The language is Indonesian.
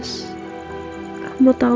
untuk memulai hidup baru